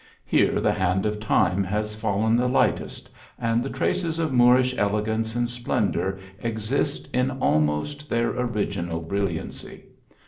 Here the hand of time has fallen the lightest, and the traces of Moorish elegance and splendour exist in almost their orig inal brilliancy.